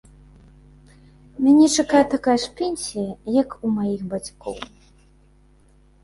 Мяне чакае такая ж пенсія, як у маіх бацькоў.